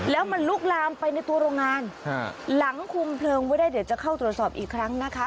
แล้วมันลุกลามไปในตัวโรงงานหลังคุมเพลิงไว้ได้เดี๋ยวจะเข้าตรวจสอบอีกครั้งนะคะ